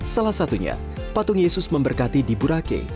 salah satunya patung yesus memberkati di burake